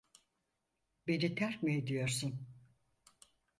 Beni terk mi ediyorsun?